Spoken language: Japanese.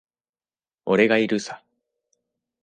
俺がいるさ。